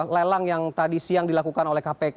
lelang yang tadi siang dilakukan oleh kpk